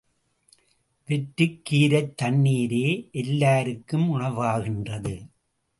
வெற்றுக்கீரைத் தண்ணீரே எல்லாருக்கும் உணவாகின்றது.